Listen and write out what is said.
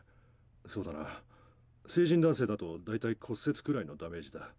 そうだな成人男性だと大体骨折くらいのダメージだ。